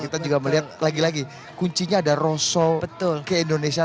kita juga melihat lagi lagi kuncinya ada rosso ke indonesia